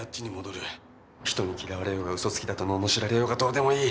人に嫌われようがうそつきだと、ののしられようがどうでもいい。